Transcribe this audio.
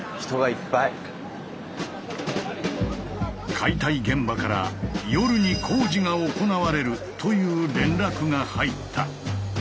解体現場から「夜に工事が行われる」という連絡が入った。